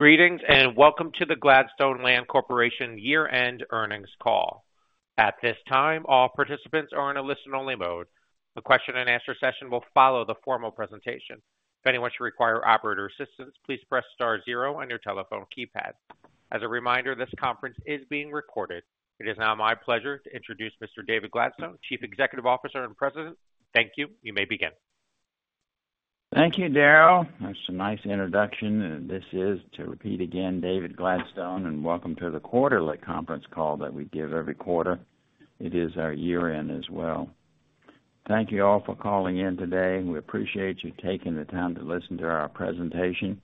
Greetings and welcome to the Gladstone Land Corporation year-end earnings call. At this time, all participants are in a listen-only mode. The question-and-answer session will follow the formal presentation. If anyone should require operator assistance, please press star zero on your telephone keypad. As a reminder, this conference is being recorded. It is now my pleasure to introduce Mr. David Gladstone, Chief Executive Officer and President. Thank you. You may begin. Thank you, Daryl. That's a nice introduction. This is, to repeat again, David Gladstone, and welcome to the quarterly conference call that we give every quarter. It is our year-end as well. Thank you all for calling in today. We appreciate you taking the time to listen to our presentation.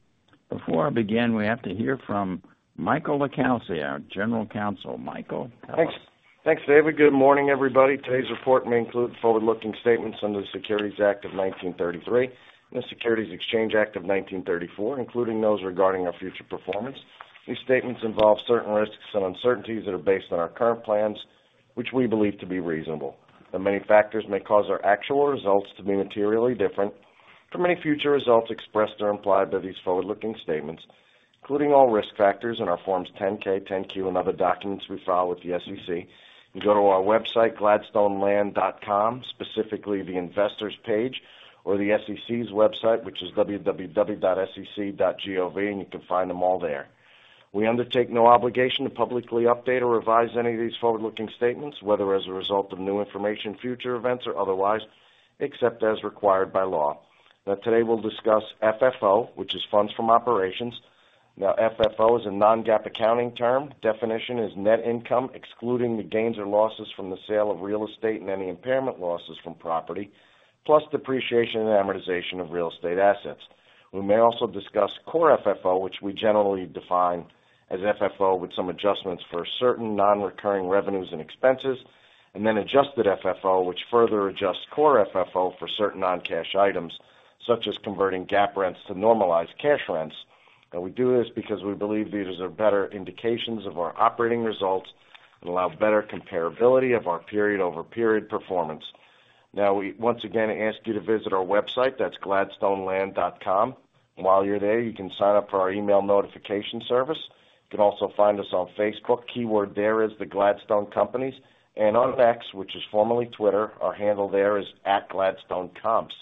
Before I begin, we have to hear from Michael LiCalsi, our General Counsel. Michael? Thanks, David. Good morning, everybody. Today's report may include forward-looking statements under the Securities Act of 1933 and the Securities Exchange Act of 1934, including those regarding our future performance. These statements involve certain risks and uncertainties that are based on our current plans, which we believe to be reasonable. Many factors may cause our actual results to be materially different from any future results expressed or implied by these forward-looking statements, including all risk factors in our Forms 10-K, 10-Q, and other documents we file with the SEC. You can go to our website, gladstoneland.com, specifically the Investors' page, or the SEC's website, which is www.sec.gov, and you can find them all there. We undertake no obligation to publicly update or revise any of these forward-looking statements, whether as a result of new information, future events, or otherwise, except as required by law. Now, today we'll discuss FFO, which is Funds From Operations. Now, FFO is a non-GAAP accounting term. Definition is net income excluding the gains or losses from the sale of real estate and any impairment losses from property, plus depreciation and amortization of real estate assets. We may also discuss Core FFO, which we generally define as FFO with some adjustments for certain non-recurring revenues and expenses, and then adjusted FFO, which further adjusts Core FFO for certain non-cash items, such as converting GAAP rents to normalized cash rents, and we do this because we believe these are better indications of our operating results and allow better comparability of our period-over-period performance. Now, we once again ask you to visit our website. That's gladstoneland.com. While you're there, you can sign up for our email notification service. You can also find us on Facebook. Keyword there is the Gladstone Companies, and on X, which is formerly Twitter, our handle there is @gladstonecomps.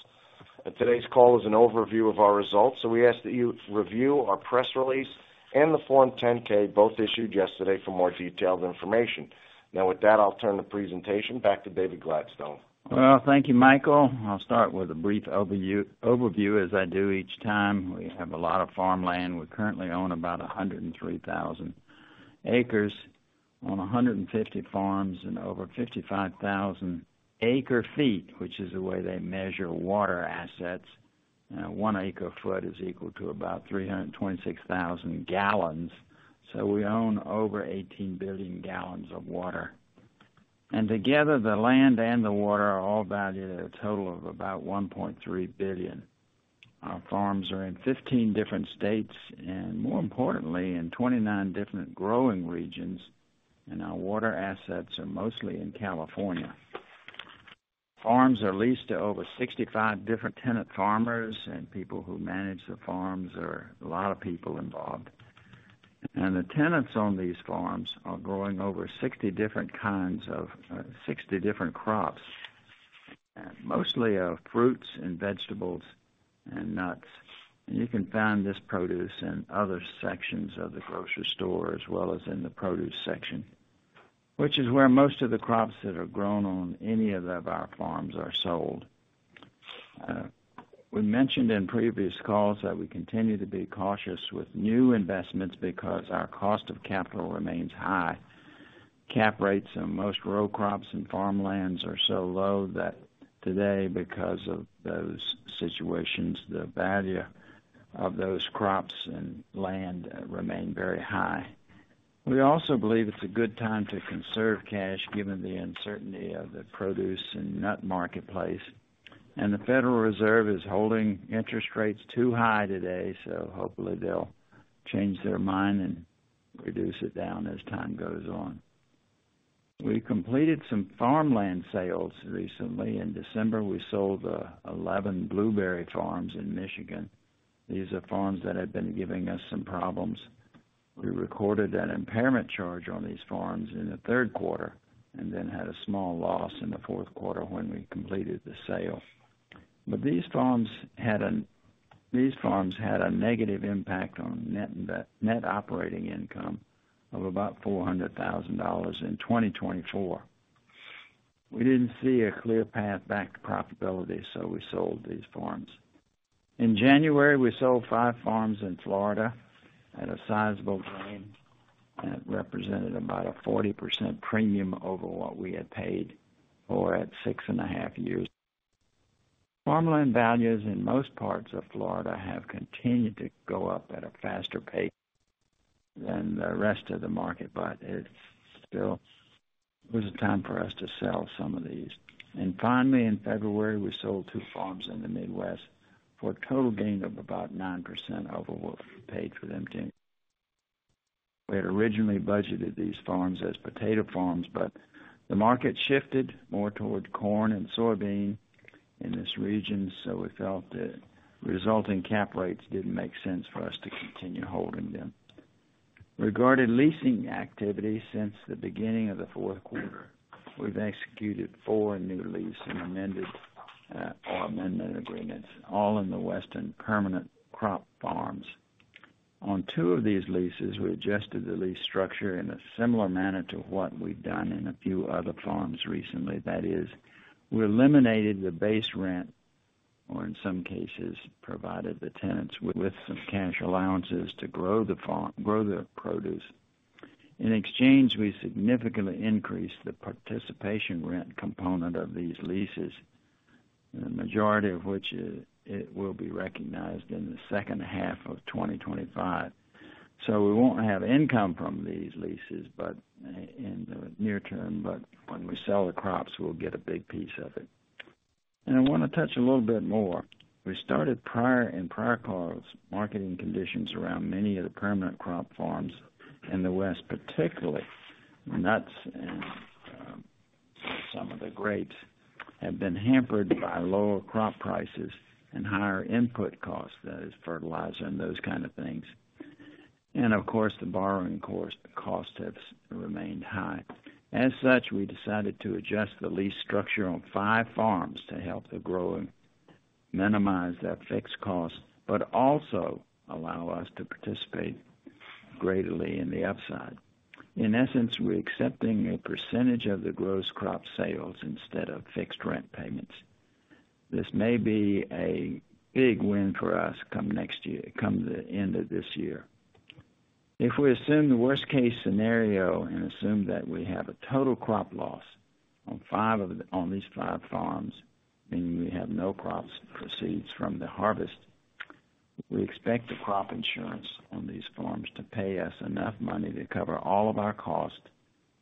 Today's call is an overview of our results, so we ask that you review our press release and the Form 10-K, both issued yesterday, for more detailed information. Now, with that, I'll turn the presentation back to David Gladstone. Thank you, Michael. I'll start with a brief overview, as I do each time. We have a lot of farmland. We currently own about 103,000 acres on 150 farms and over 55,000 acre-feet, which is the way they measure water assets. One acre-foot is equal to about 326,000 gallons. So we own over 18 billion gallons of water. Together, the land and the water are all valued at a total of about $1.3 billion. Our farms are in 15 different states and, more importantly, in 29 different growing regions, and our water assets are mostly in California. Farms are leased to over 65 different tenant farmers, and people who manage the farms are a lot of people involved. The tenants on these farms are growing over 60 different kinds of 60 different crops, mostly of fruits and vegetables and nuts. You can find this produce in other sections of the grocery store as well as in the produce section, which is where most of the crops that are grown on any of our farms are sold. We mentioned in previous calls that we continue to be cautious with new investments because our cost of capital remains high. Cap rates on most row crops and farmlands are so low that today, because of those situations, the value of those crops and land remains very high. We also believe it's a good time to conserve cash given the uncertainty of the produce and nut marketplace. The Federal Reserve is holding interest rates too high today, so hopefully they'll change their mind and reduce it down as time goes on. We completed some farmland sales recently. In December, we sold 11 blueberry farms in Michigan. These are farms that have been giving us some problems. We recorded an impairment charge on these farms in the third quarter and then had a small loss in the fourth quarter when we completed the sale. But these farms had a negative impact on net operating income of about $400,000 in 2024. We didn't see a clear path back to profitability, so we sold these farms. In January, we sold five farms in Florida at a sizable gain. That represented about a 40% premium over what we had paid for at six and a half years. Farmland values in most parts of Florida have continued to go up at a faster pace than the rest of the market, but it still was a time for us to sell some of these. Finally, in February, we sold two farms in the Midwest for a total gain of about 9% over what we paid for them too. We had originally budgeted these farms as potato farms, but the market shifted more toward corn and soybean in this region, so we felt that resulting cap rates didn't make sense for us to continue holding them. Regarding leasing activity since the beginning of the fourth quarter, we've executed four new lease and amended or amendment agreements, all in the western permanent crop farms. On two of these leases, we adjusted the lease structure in a similar manner to what we've done in a few other farms recently. That is, we eliminated the base rent or, in some cases, provided the tenants with some cash allowances to grow the produce. In exchange, we significantly increased the participation rent component of these leases, the majority of which will be recognized in the second half of 2025, so we won't have income from these leases in the near term, but when we sell the crops, we'll get a big piece of it, and I want to touch a little bit more. We stated prior, in prior calls, marketing conditions around many of the permanent crop farms in the West, particularly nuts and some of the grapes, have been hampered by lower crop prices and higher input costs, that is, fertilizer and those kind of things, and of course, the borrowing costs have remained high. As such, we decided to adjust the lease structure on five farms to help the grower minimize that fixed cost, but also allow us to participate greatly in the upside. In essence, we're accepting a percentage of the gross crop sales instead of fixed rent payments. This may be a big win for us come next year, come the end of this year. If we assume the worst-case scenario and assume that we have a total crop loss on five of these five farms, meaning we have no crop proceeds from the harvest, we expect the crop insurance on these farms to pay us enough money to cover all of our costs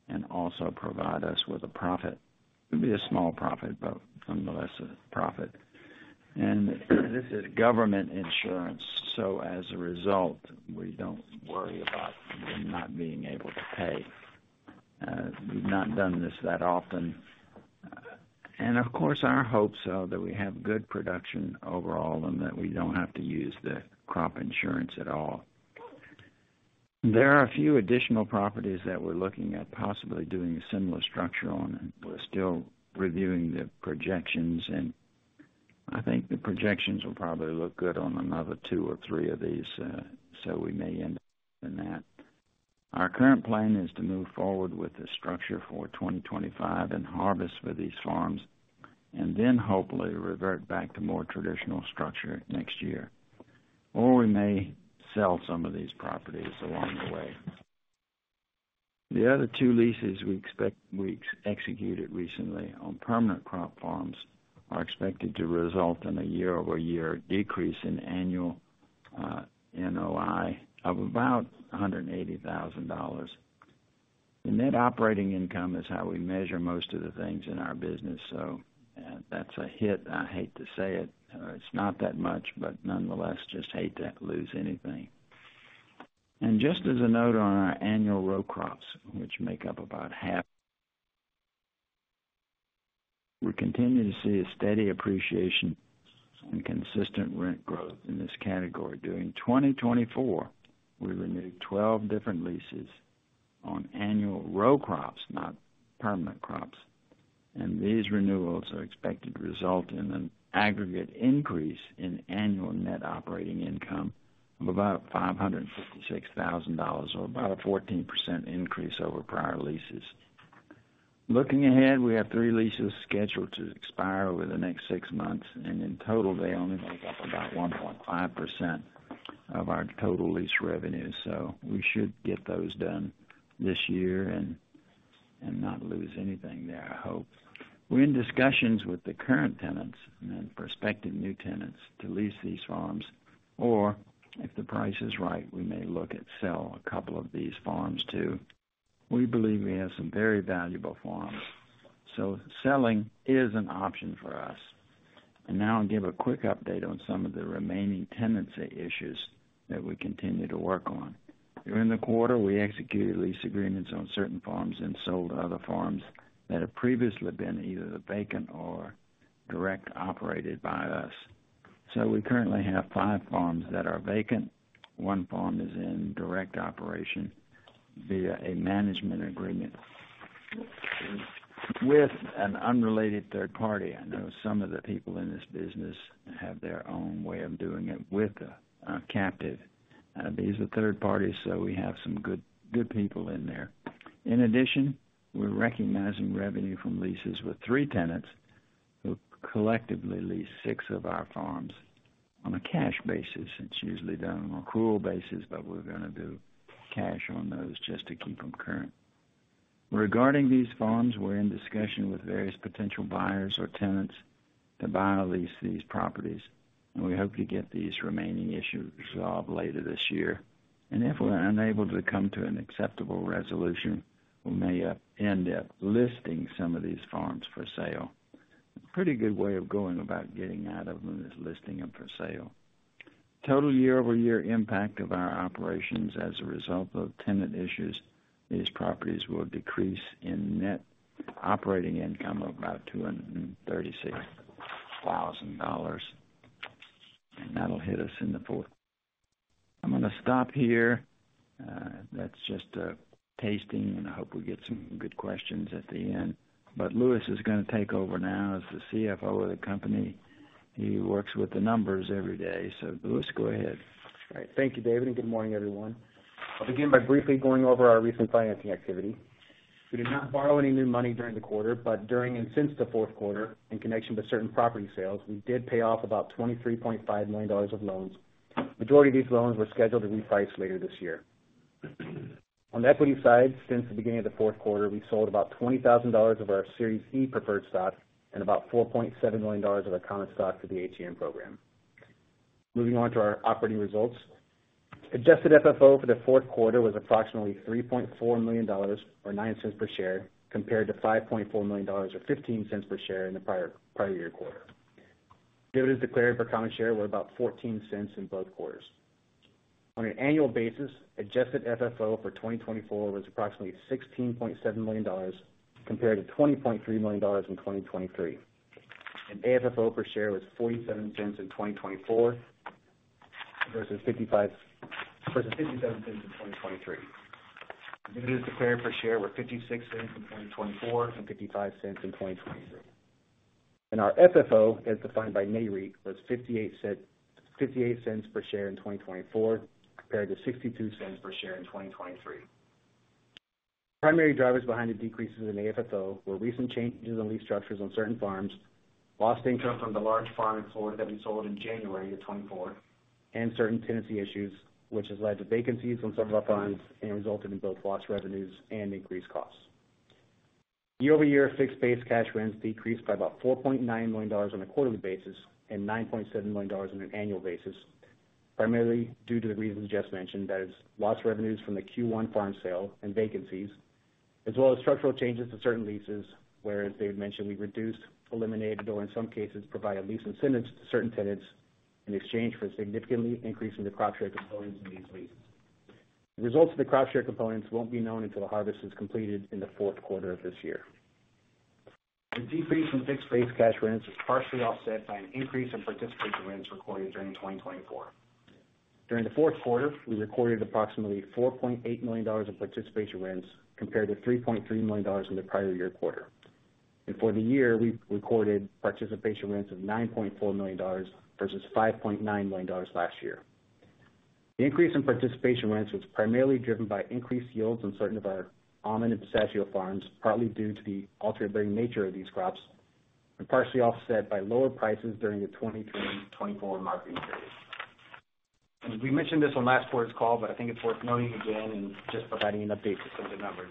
and also provide us with a profit. It would be a small profit, but nonetheless a profit. This is government insurance, so as a result, we don't worry about not being able to pay. We've not done this that often. Of course, our hopes are that we have good production overall and that we don't have to use the crop insurance at all. There are a few additional properties that we're looking at possibly doing a similar structure on. We're still reviewing the projections, and I think the projections will probably look good on another two or three of these, so we may end up in that. Our current plan is to move forward with the structure for 2025 and harvest for these farms, and then hopefully revert back to more traditional structure next year or we may sell some of these properties along the way. The other two leases we executed recently on permanent crop farms are expected to result in a year-over-year decrease in annual NOI of about $180,000. The net operating income is how we measure most of the things in our business, so that's a hit. I hate to say it. It's not that much, but nonetheless, just hate to lose anything. Just as a note on our annual row crops, which make up about half, we continue to see a steady appreciation and consistent rent growth in this category. During 2024, we renewed 12 different leases on annual row crops, not permanent crops. These renewals are expected to result in an aggregate increase in annual net operating income of about $556,000, or about a 14% increase over prior leases. Looking ahead, we have three leases scheduled to expire over the next six months, and in total, they only make up about 1.5% of our total lease revenue. We should get those done this year and not lose anything there, I hope. We're in discussions with the current tenants and prospective new tenants to lease these farms, or if the price is right, we may look at selling a couple of these farms too. We believe we have some very valuable farms, so selling is an option for us. Now, I'll give a quick update on some of the remaining tenancy issues that we continue to work on. During the quarter, we executed lease agreements on certain farms and sold other farms that have previously been either vacant or directly operated by us. So we currently have five farms that are vacant. One farm is in direct operation via a management agreement with an unrelated third party. I know some of the people in this business have their own way of doing it with a captive. These are third parties, so we have some good people in there. In addition, we're recognizing revenue from leases with three tenants who collectively lease six of our farms on a cash basis. It's usually done on an accrual basis, but we're going to do cash on those just to keep them current. Regarding these farms, we're in discussion with various potential buyers or tenants to buy or lease these properties. We hope to get these remaining issues resolved later this year. If we're unable to come to an acceptable resolution, we may end up listing some of these farms for sale. A pretty good way of going about getting out of them is listing them for sale. Total year-over-year impact of our operations as a result of tenant issues is properties will decrease in net operating income of about $236,000. That'll hit us in the fourth quarter. I'm going to stop here. That's just a teaser, and I hope we get some good questions at the end. But Lewis is going to take over now as the CFO of the company. He works with the numbers every day, so Lewis, go ahead. All right. Thank you, David, and good morning, everyone. I'll begin by briefly going over our recent financing activity. We did not borrow any new money during the quarter, but during and since the fourth quarter, in connection with certain property sales, we did pay off about $23.5 million of loans. The majority of these loans were scheduled to reprice later this year. On the equity side, since the beginning of the fourth quarter, we sold about $20,000 of our Series E Preferred Stock and about $4.7 million of our common stock to the ATM program. Moving on to our operating results, adjusted FFO for the fourth quarter was approximately $3.4 million, or $0.09 per share, compared to $5.4 million, or $0.15 per share in the prior year quarter. Dividends declared for common share were about $0.14 in both quarters. On an annual basis, adjusted FFO for 2024 was approximately $16.7 million, compared to $20.3 million in 2023. AFFO per share was $0.47 in 2024 versus $0.57 in 2023. Dividends declared per share were $0.56 in 2024 and $0.55 in 2023. Our FFO, as defined by Nareit, was $0.58 per share in 2024, compared to $0.62 per share in 2023. Primary drivers behind the decreases in AFFO were recent changes in lease structures on certain farms, lost income from the large farm in Florida that we sold in January of 2024, and certain tenancy issues, which has led to vacancies on some of our farms and resulted in both lost revenues and increased costs. Year-over-year fixed base cash rents decreased by about $4.9 million on a quarterly basis and $9.7 million on an annual basis, primarily due to the reasons just mentioned, that is, lost revenues from the Q1 farm sale and vacancies, as well as structural changes to certain leases, whereas they had mentioned we reduced, eliminated, or in some cases, provided lease incentives to certain tenants in exchange for significantly increasing the crop share components in these leases. The results of the crop share components won't be known until the harvest is completed in the fourth quarter of this year. The decrease in fixed base cash rents was partially offset by an increase in participation rents recorded during 2024. During the fourth quarter, we recorded approximately $4.8 million in participation rents, compared to $3.3 million in the prior year quarter. For the year, we recorded participation rents of $9.4 million versus $5.9 million last year. The increase in participation rents was primarily driven by increased yields on certain of our almond and pistachio farms, partly due to the alternate bearing nature of these crops, and partially offset by lower prices during the 2023, 2024 marketing period. We mentioned this on last quarter's call, but I think it's worth noting again and just providing an update to some of the numbers.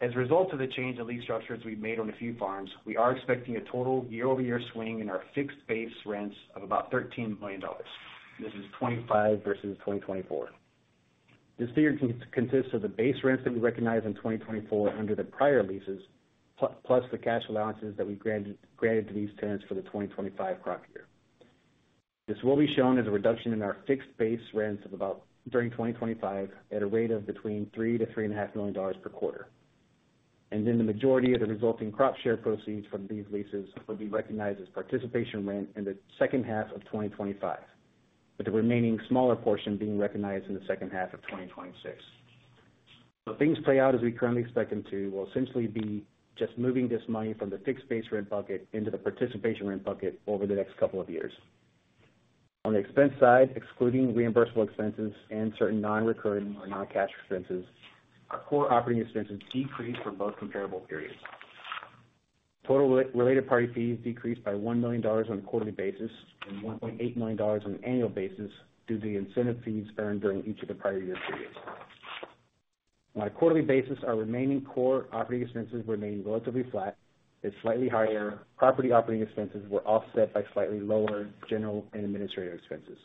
As a result of the change in lease structures we've made on a few farms, we are expecting a total year-over-year swing in our fixed base rents of about $13 million. This is 2025 versus 2024. This figure consists of the base rents that we recognized in 2024 under the prior leases, plus the cash allowances that we granted to these tenants for the 2025 crop year. This will be shown as a reduction in our fixed base rents of about during 2025 at a rate of between $3 million and $3.5 million per quarter, and then the majority of the resulting crop share proceeds from these leases would be recognized as participation rent in the second half of 2025, with the remaining smaller portion being recognized in the second half of 2026. The things play out as we currently expect them to, will essentially be just moving this money from the fixed base rent bucket into the participation rent bucket over the next couple of years. On the expense side, excluding reimbursable expenses and certain non-recurring or non-cash expenses, our core operating expenses decreased for both comparable periods. Total related party fees decreased by $1 million on a quarterly basis and $1.8 million on an annual basis due to the incentive fees earned during each of the prior year periods. On a quarterly basis, our remaining core operating expenses remained relatively flat. It's slightly higher. Property operating expenses were offset by slightly lower general and administrative expenses.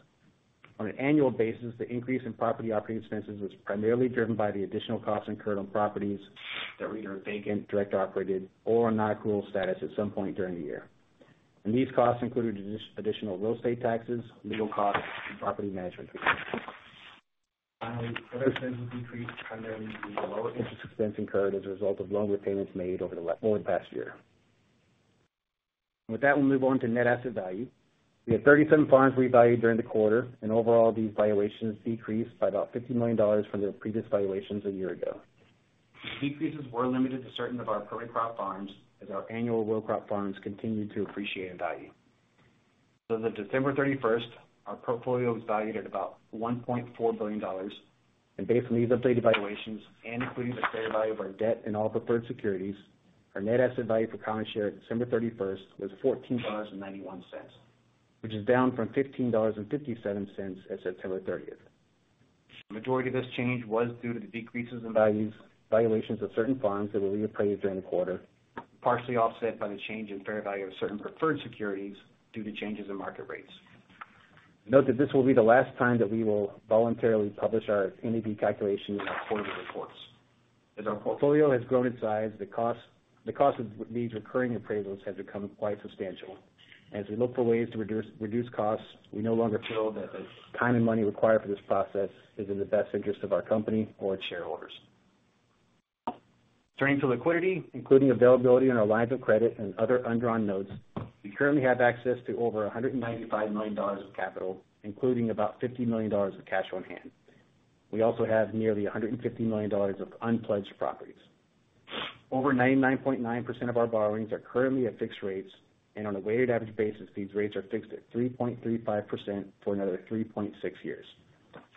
On an annual basis, the increase in property operating expenses was primarily driven by the additional costs incurred on properties that were either vacant, directly operated, or on non-accrual status at some point during the year, and these costs included additional real estate taxes, legal costs, and property management fees. Finally, other expenses decreased primarily due to lower interest expense incurred as a result of loan repayments made over the past year. With that, we'll move on to net asset value. We had 37 farms revalued during the quarter, and overall, these valuations decreased by about $50 million from their previous valuations a year ago. These decreases were limited to certain of our current crop farms as our annual row crop farms continued to appreciate in value. As of December 31st, our portfolio was valued at about $1.4 billion. Based on these updated valuations, and including the fair value of our debt and all preferred securities, our net asset value for common share on December 31st was $14.91, which is down from $15.57 at September 30th. The majority of this change was due to the decreases in valuations of certain farms that were reappraised during the quarter, partially offset by the change in fair value of certain preferred securities due to changes in market rates. Note that this will be the last time that we will voluntarily publish our NAV calculation in our quarterly reports. As our portfolio has grown in size, the cost of these recurring appraisals has become quite substantial. As we look for ways to reduce costs, we no longer feel that the time and money required for this process is in the best interest of our company or its shareholders. Turning to liquidity, including availability on our lines of credit and other subordinated notes, we currently have access to over $195 million of capital, including about $50 million of cash on hand. We also have nearly $150 million of unpledged properties. Over 99.9% of our borrowings are currently at fixed rates, and on a weighted average basis, these rates are fixed at 3.35% for another 3.6 years.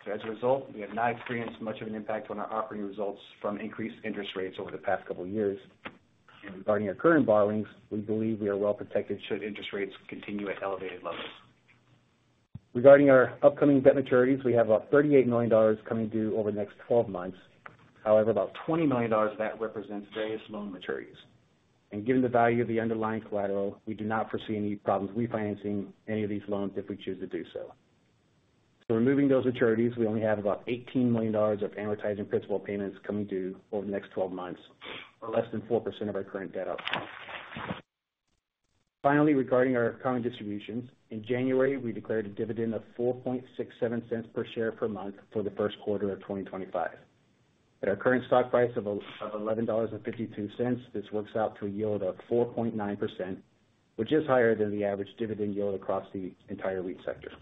So as a result, we have not experienced much of an impact on our operating results from increased interest rates over the past couple of years, and regarding our current borrowings, we believe we are well protected should interest rates continue at elevated levels. Regarding our upcoming debt maturities, we have about $38 million coming due over the next 12 months. However, about $20 million of that represents various loan maturities, and given the value of the underlying collateral, we do not foresee any problems refinancing any of these loans if we choose to do so, so removing those maturities, we only have about $18 million of amortizing principal payments coming due over the next 12 months, or less than 4% of our current debt outstanding. Finally, regarding our common distributions, in January, we declared a dividend of $0.0467 per share per month for the first quarter of 2025. At our current stock price of $11.52, this works out to a yield of 4.9%, which is higher than the average dividend yield across the entire REIT sector.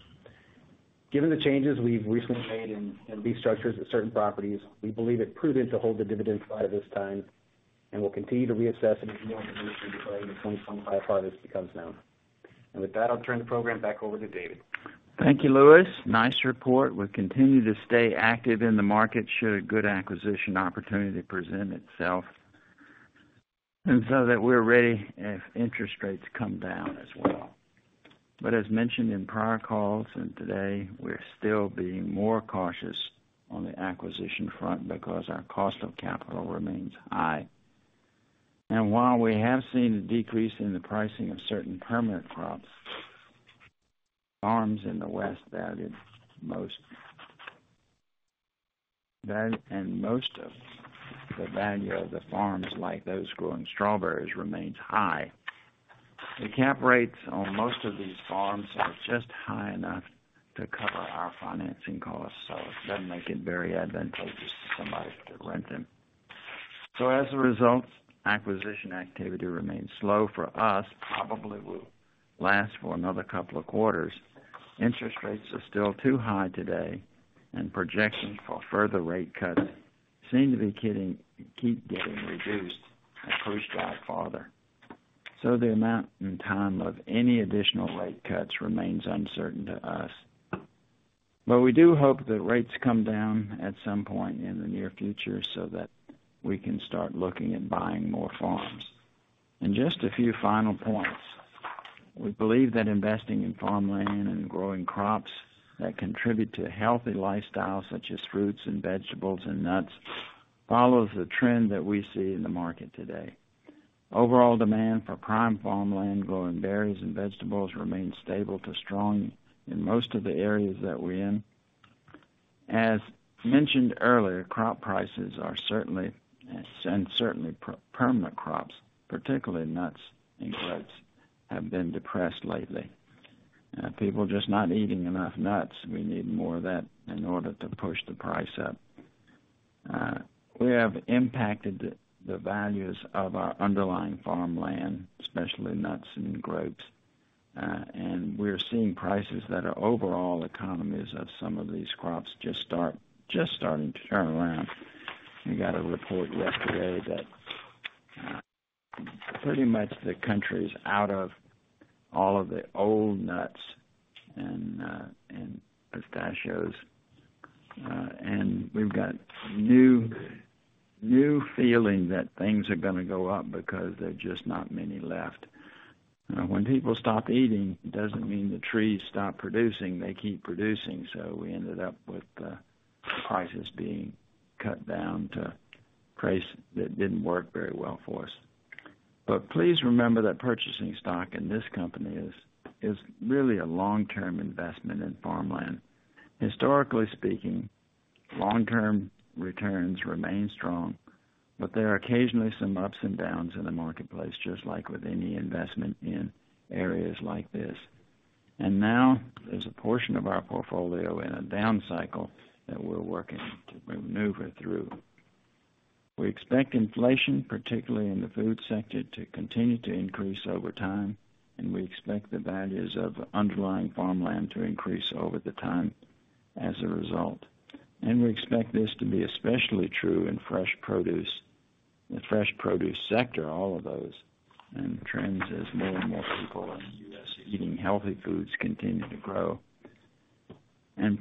Given the changes we've recently made in lease structures at certain properties, we believe it's prudent to hold the dividend flat at this time and will continue to reassess as more information regarding the 2025 harvest becomes known. With that, I'll turn the program back over to David. Thank you, Lewis. Nice report. We'll continue to stay active in the market should a good acquisition opportunity present itself, and so that we're ready if interest rates come down as well, but as mentioned in prior calls and today, we're still being more cautious on the acquisition front because our cost of capital remains high. While we have seen a decrease in the pricing of certain permanent crops, farms in the West valued most, and most of the value of the farms like those growing strawberries remains high, the cap rates on most of these farms are just high enough to cover our financing costs, so it doesn't make it very advantageous to somebody to rent them, so as a result, acquisition activity remains slow for us, probably will last for another couple of quarters. Interest rates are still too high today, and projections for further rate cuts seem to be kept getting reduced at a pretty sharp rate. So the amount and time of any additional rate cuts remains uncertain to us. We do hope that rates come down at some point in the near future so that we can start looking at buying more farms. Just a few final points, we believe that investing in farmland and growing crops that contribute to a healthy lifestyle, such as fruits and vegetables and nuts, follows the trend that we see in the market today. Overall demand for prime farmland growing berries and vegetables remains stable to strong in most of the areas that we're in. As mentioned earlier, crop prices are certainly, and permanent crops, particularly nuts and grapes, have been depressed lately. People are just not eating enough nuts. We need more of that in order to push the price up. We have impacted the values of our underlying farmland, especially nuts and grapes, and we're seeing prices that are overall economies of some of these crops just starting to turn around. We got a report yesterday that pretty much the country is out of all of the old nuts and pistachios, and we've got a new feeling that things are going to go up because there's just not many left. When people stop eating, it doesn't mean the trees stop producing. They keep producing. So we ended up with prices being cut down to price that didn't work very well for us, but please remember that purchasing stock in this company is really a long-term investment in farmland. Historically speaking, long-term returns remain strong, but there are occasionally some ups and downs in the marketplace, just like with any investment in areas like this. Now, there's a portion of our portfolio in a down cycle that we're working to maneuver through. We expect inflation, particularly in the food sector, to continue to increase over time, and we expect the values of underlying farmland to increase over the time as a result. We expect this to be especially true in fresh produce, the fresh produce sector, all of those, and trends as more and more people in the U.S. eating healthy foods continue to grow.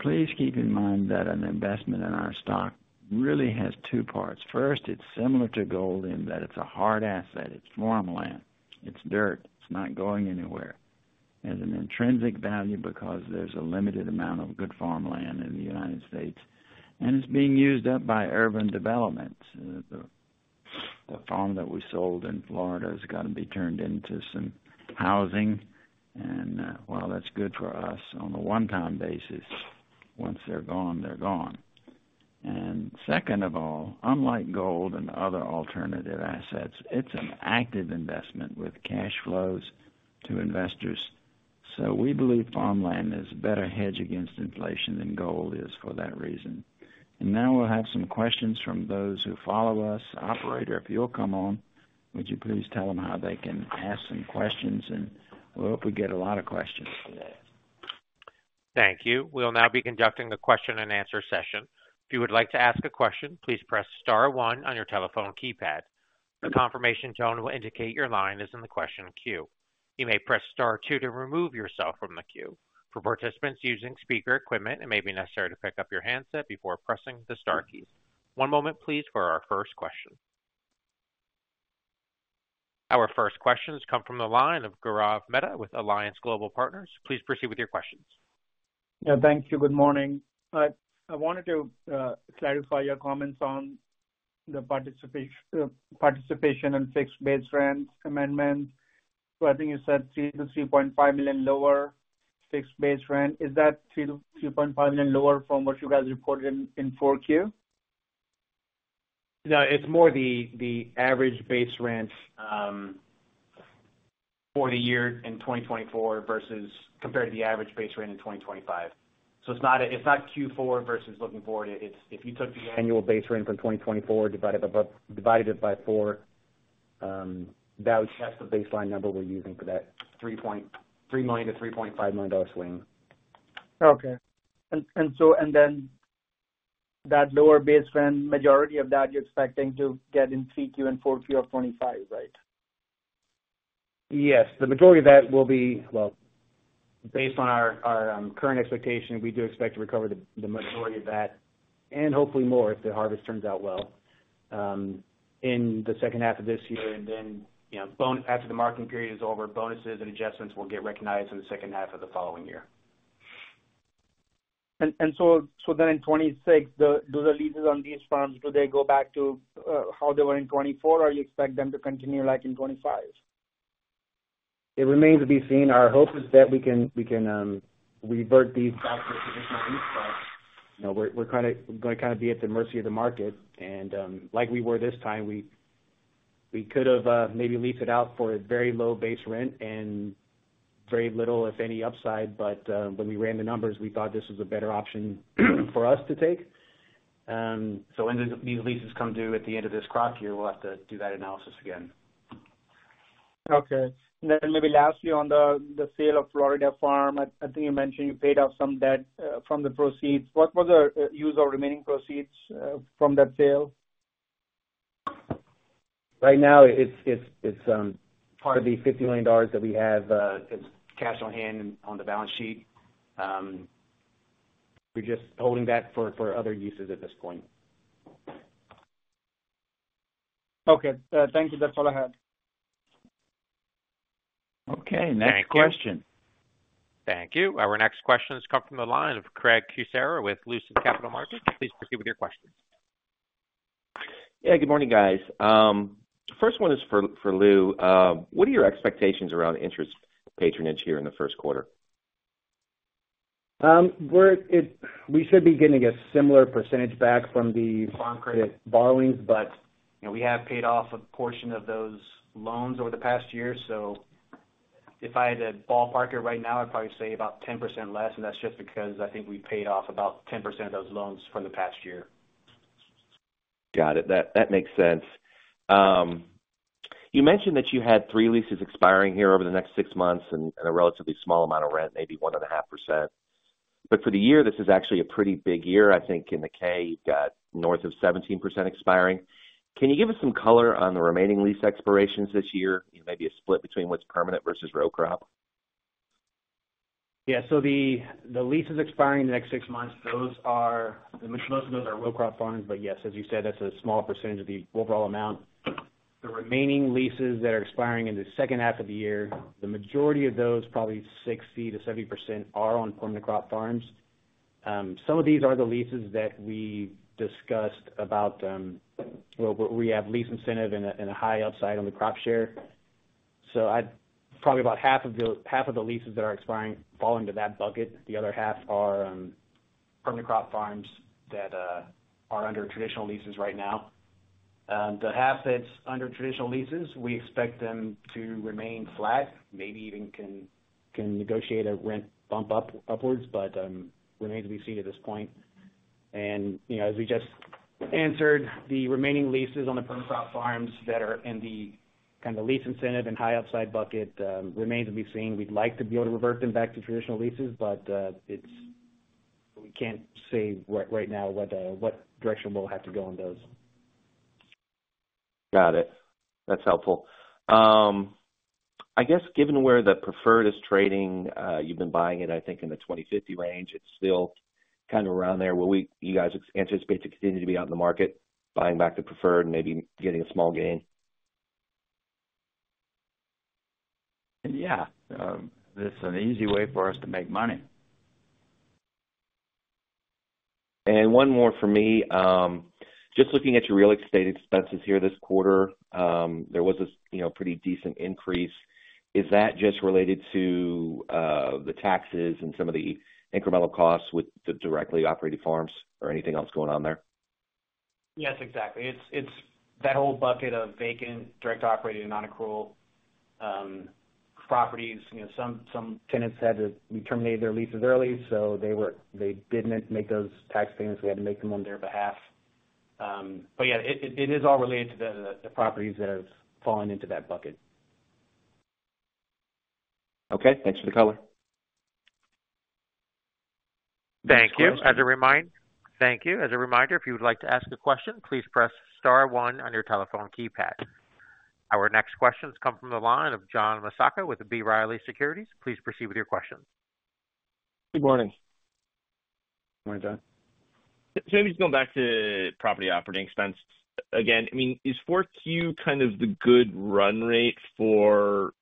Please keep in mind that an investment in our stock really has two parts. First, it's similar to gold in that it's a hard asset. It's farmland. It's dirt. It's not going anywhere. It has an intrinsic value because there's a limited amount of good farmland in the United States, and it's being used up by urban development. The farm that we sold in Florida has got to be turned into some housing. While that's good for us on a one-time basis, once they're gone, they're gone. Second of all, unlike gold and other alternative assets, it's an active investment with cash flows to investors. So we believe farmland is a better hedge against inflation than gold is for that reason. Now, we'll have some questions from those who follow us. Operator, if you'll come on, would you please tell them how they can ask some questions? We hope we get a lot of questions today. Thank you. We'll now be conducting a question-and-answer session. If you would like to ask a question, please press star one on your telephone keypad. The confirmation tone will indicate your line is in the question queue. You may press star two to remove yourself from the queue. For participants using speaker equipment, it may be necessary to pick up your handset before pressing the star keys. One moment, please, for our first question. Our first questions come from the line of Gaurav Mehta with Alliance Global Partners. Please proceed with your questions. Yeah, thank you. Good morning. I wanted to clarify your comments on the participation and fixed base rent amendment. So I think you said $3.5 million lower fixed base rent. Is that $3.5 million lower from what you guys reported in 4Q? No, it's more the average base rent for the year in 2024 versus compared to the average base rent in 2025. So it's not Q4 versus looking forward. If you took the annual base rent from 2024, divided it by four, that would be the baseline number we're using for that $3 million-$3.5 million swing. Okay. Then that lower base rent, majority of that, you're expecting to get in 3Q and 4Q of 2025, right? Yes. The majority of that will be, well, based on our current expectation, we do expect to recover the majority of that, and hopefully more if the harvest turns out well in the second half of this year, and then after the marketing period is over, bonuses and adjustments will get recognized in the second half of the following year. So then in 2026, do the leases on these farms, do they go back to how they were in 2024? Or you expect them to continue like in 2025? It remains to be seen. Our hope is that we can revert these back to traditional lease, but we're going to kind of be at the mercy of the market, and like we were this time, we could have maybe leased it out for a very low base rent and very little, if any, upside, but when we ran the numbers, we thought this was a better option for us to take, so when these leases come due at the end of this crop year, we'll have to do that analysis again. Okay. Then maybe lastly, on the sale of Florida farm, I think you mentioned you paid off some debt from the proceeds. What was the use of remaining proceeds from that sale? Right now, it's part of the $50 million that we have as cash on hand on the balance sheet. We're just holding that for other uses at this point. Okay. Thank you. That's all I had. Okay. Next question. Thank you. Our next question has come from the line of Craig Kucera with Lucid Capital Markets. Please proceed with your questions. Yeah. Good morning, guys. The first one is for Lew. What are your expectations around interest patronage here in the first quarter? We should be getting a similar percentage back from the Farm Credit borrowings, but we have paid off a portion of those loans over the past year. So if I had to ballpark it right now, I'd probably say about 10% less, and that's just because I think we paid off about 10% of those loans from the past year. Got it. That makes sense. You mentioned that you had three leases expiring here over the next six months and a relatively small amount of rent, maybe 1.5%. For the year, this is actually a pretty big year. I think in the K, you've got north of 17% expiring. Can you give us some color on the remaining lease expirations this year, maybe a split between what's permanent versus row crop? Yeah. So the leases expiring in the next six months, those are mostly row crop farms. But yes, as you said, that's a small percentage of the overall amount. The remaining leases that are expiring in the second half of the year, the majority of those, probably 60%-70%, are on permanent crop farms. Some of these are the leases that we discussed about where we have lease incentive and a high upside on the crop share. So probably about half of the leases that are expiring fall into that bucket. The other half are permanent crop farms that are under traditional leases right now. The half that's under traditional leases, we expect them to remain flat, maybe even can negotiate a rent bump upwards, but remains to be seen at this point. As we just answered, the remaining leases on the permanent crop farms that are in the kind of lease incentive and high upside bucket remains to be seen. We'd like to be able to revert them back to traditional leases, but we can't say right now what direction we'll have to go on those. Got it. That's helpful. I guess given where the preferred is trading, you've been buying it, I think, in the $20-$50 range. It's still kind of around there. Will you guys anticipate to continue to be out in the market, buying back the preferred, maybe getting a small gain? Yeah. It's an easy way for us to make money. One more for me. Just looking at your real estate expenses here this quarter, there was a pretty decent increase. Is that just related to the taxes and some of the incremental costs with the directly operated farms or anything else going on there? Yes, exactly. It's that whole bucket of vacant, direct operated, and non-accrual properties. Some tenants had to terminate their leases early, so they didn't make those tax payments. We had to make them on their behalf. Yeah, it is all related to the properties that have fallen into that bucket. Okay. Thanks for the color. Thank you. As a reminder, if you would like to ask a question, please press star one on your telephone keypad. Our next questions come from the line of John Massocca with B. Riley Securities. Please proceed with your questions. Good morning. Morning, John. So maybe just going back to property operating expense. Again, I mean, is 4Q kind of the good run rate for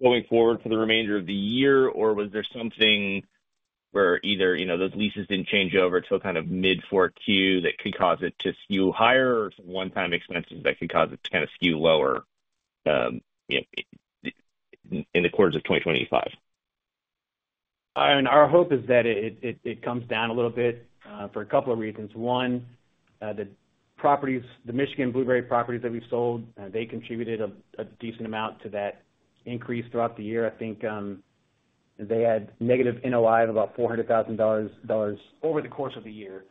going forward for the remainder of the year, or was there something where either those leases didn't change over till kind of mid-4Q that could cause it to skew higher or some one-time expenses that could cause it to kind of skew lower in the quarters of 2025? I mean, our hope is that it comes down a little bit for a couple of reasons. One, the Michigan blueberry properties that we've sold, they contributed a decent amount to that increase throughout the year. I think they had negative NOI of about $400,000 over the course of the year.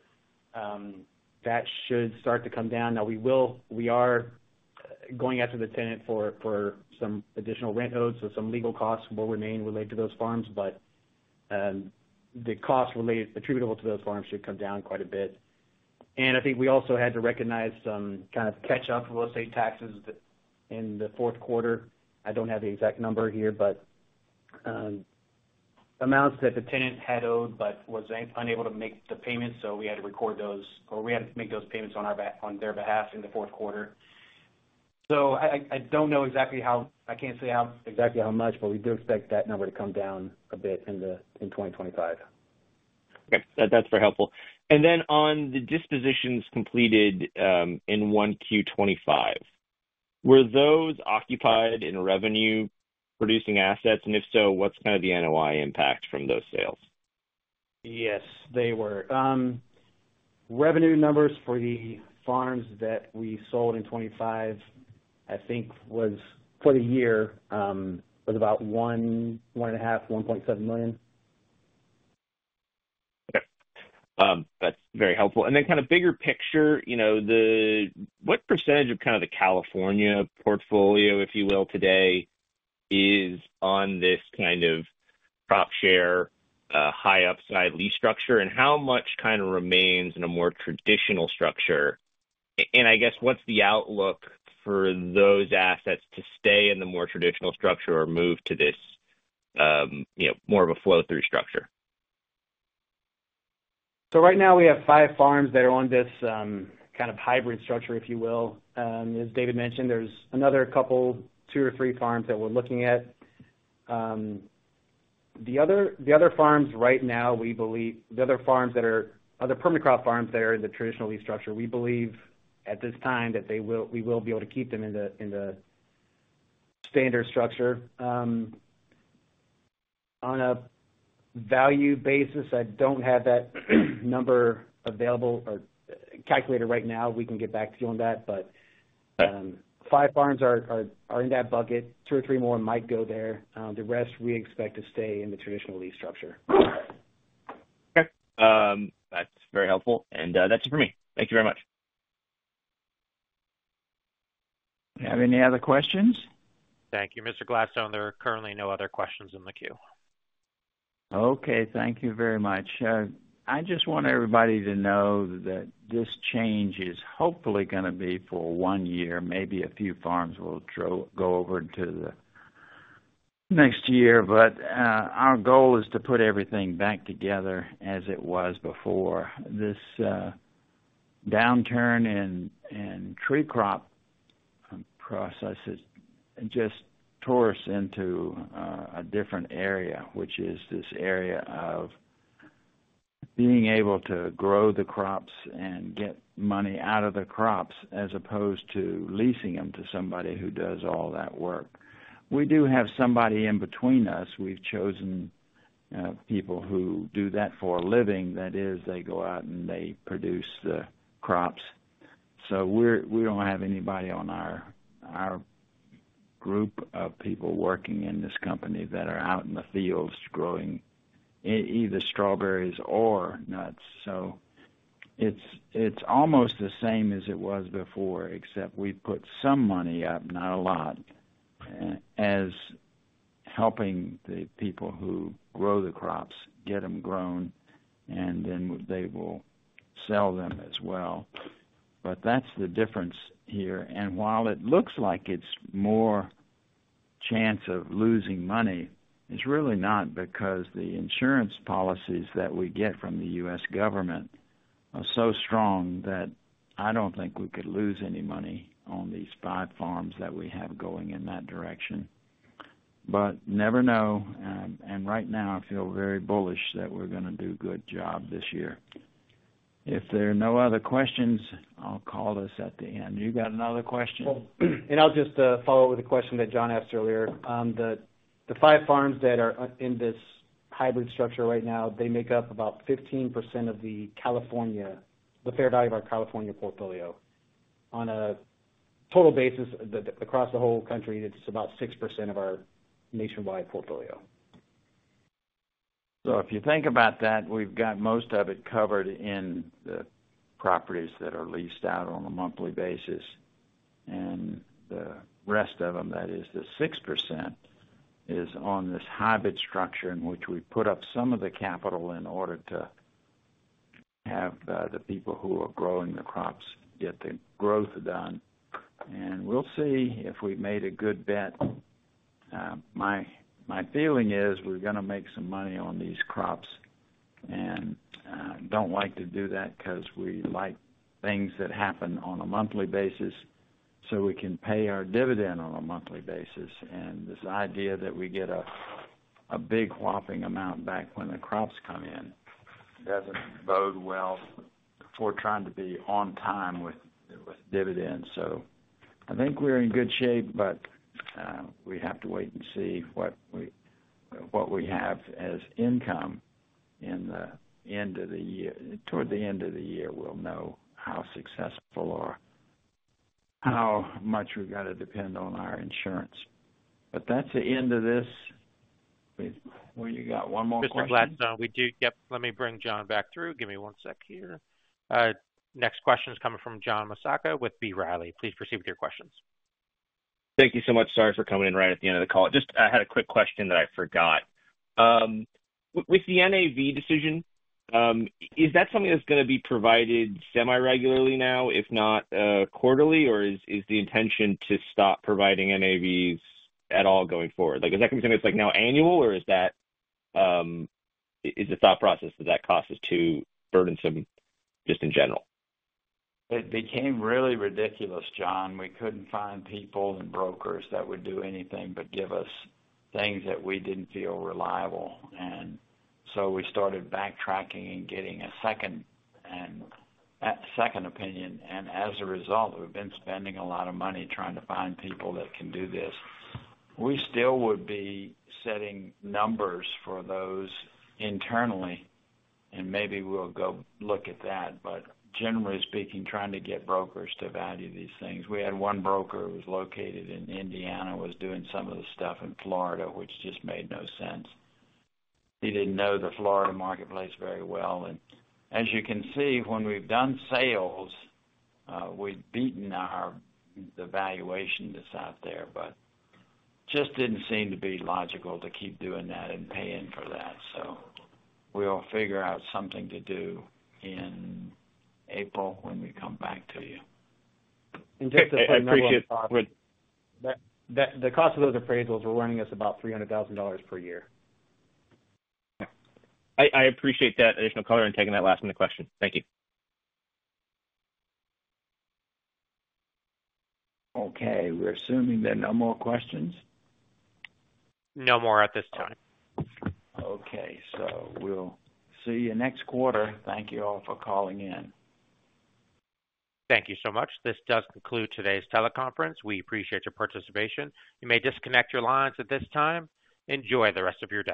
That should start to come down. Now, we are going after the tenant for some additional rent notes, so some legal costs will remain related to those farms, but the costs attributable to those farms should come down quite a bit, and I think we also had to recognize some kind of catch-up real estate taxes in the fourth quarter. I don't have the exact number here, but amounts that the tenant had owed but was unable to make the payments. So we had to record those, or we had to make those payments on their behalf in the fourth quarter. So I don't know exactly how I can't say exactly how much, but we do expect that number to come down a bit in 2025. Okay. That's very helpful. Then on the dispositions completed in 1Q25, were those occupied in revenue-producing assets? If so, what's kind of the NOI impact from those sales? Yes, they were. Revenue numbers for the farms that we sold in 2025, I think for the year, was about $1.5 million-$1.7 million. Okay. That's very helpful. And then kind of bigger picture, what percentage of kind of the California portfolio, if you will, today is on this kind of crop share, high upside lease structure? How much kind of remains in a more traditional structure? I guess what's the outlook for those assets to stay in the more traditional structure or move to this more of a flow-through structure? So right now, we have five farms that are on this kind of hybrid structure, if you will. As David mentioned, there's another couple, two or three farms that we're looking at. The other farms right now, we believe the other farms that are other permanent crop farms that are in the traditional lease structure, we believe at this time that we will be able to keep them in the standard structure. On a value basis, I don't have that number available or calculated right now. We can get back to you on that but five farms are in that bucket. Two or three more might go there. The rest, we expect to stay in the traditional lease structure. Okay. That's very helpful. That's it for me. Thank you very much. Do you have any other questions? Thank you, Mr. Gladstone. There are currently no other questions in the queue. Okay. Thank you very much. I just want everybody to know that this change is hopefully going to be for one year. Maybe a few farms will go over to the next year but our goal is to put everything back together as it was before. This downturn in tree crop prices just tore us into a different area, which is this area of being able to grow the crops and get money out of the crops as opposed to leasing them to somebody who does all that work. We do have somebody in between us. We've chosen people who do that for a living. That is, they go out and they produce the crops. So we don't have anybody on our group of people working in this company that are out in the fields growing either strawberries or nuts. So it's almost the same as it was before, except we put some money up, not a lot, as helping the people who grow the crops, get them grown, and then they will sell them as well but that's the difference here. While it looks like it's more chance of losing money, it's really not because the insurance policies that we get from the U.S. government are so strong that I don't think we could lose any money on these five farms that we have going in that direction but never know. Right now, I feel very bullish that we're going to do a good job this year. If there are no other questions, I'll call this at the end. You got another question? I'll just follow up with a question that John asked earlier. The five farms that are in this hybrid structure right now, they make up about 15% of the fair value of our California portfolio. On a total basis, across the whole country, it's about 6% of our nationwide portfolio. So if you think about that, we've got most of it covered in the properties that are leased out on a monthly basis. The rest of them, that is the 6%, is on this hybrid structure in which we put up some of the capital in order to have the people who are growing the crops get the growth done. We'll see if we've made a good bet. My feeling is we're going to make some money on these crops. I don't like to do that because we like things that happen on a monthly basis so we can pay our dividend on a monthly basis. This idea that we get a big whopping amount back when the crops come in doesn't bode well for trying to be on time with dividends. So I think we're in good shape, but we have to wait and see what we have as income in the end of the year. Toward the end of the year, we'll know how successful or how much we've got to depend on our insurance but that's the end of this. Well, you got one more question? Mr. Gladstone, we do. Yep. Let me bring John back through. Give me one sec here. Next question is coming from John Massocca with B. Riley. Please proceed with your questions. Thank you so much. Sorry for coming in right at the end of the call. I had a quick question that I forgot. With the NAV decision, is that something that's going to be provided semi-regularly now, if not quarterly, or is the intention to stop providing NAVs at all going forward? Is that going to be something that's now annual, or is the thought process that that cost is too burdensome just in general? They came really ridiculous, John. We couldn't find people and brokers that would do anything but give us things that we didn't feel reliable. So, we started backtracking and getting a second opinion. As a result, we've been spending a lot of money trying to find people that can do this. We still would be setting numbers for those internally, and maybe we'll go look at that but generally speaking, trying to get brokers to value these things. We had one broker who was located in Indiana who was doing some of the stuff in Florida, which just made no sense. He didn't know the Florida marketplace very well. As you can see, when we've done sales, we've beaten the valuation that's out there, but it just didn't seem to be logical to keep doing that and paying for that. So we'll figure out something to do in April when we come back to you. Just to add my thought. The cost of those appraisals were running us about $300,000 per year. Okay. I appreciate that additional color and taking that last question. Thank you. Okay. We're assuming there are no more questions. No more at this time. Okay. So we'll see you next quarter. Thank you all for calling in. Thank you so much. This does conclude today's teleconference. We appreciate your participation. You may disconnect your lines at this time. Enjoy the rest of your day.